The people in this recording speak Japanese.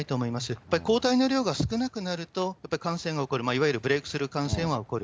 やっぱり抗体の量が少なくなると、やっぱり感染が起こる、いわゆるブレークスルー感染は起こる。